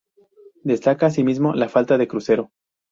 Destaca asimismo, la falta de crucero.